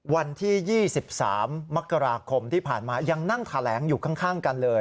วันที่๒๓มกราคมที่ผ่านมายังนั่งแถลงอยู่ข้างกันเลย